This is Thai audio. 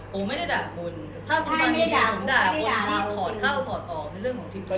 ผมไม่ได้ด่าคุณถ้าคุณฟังดีดีผมด่าคนที่ถอดเข้าถอดออกในเรื่องของทิพย์ทัวร์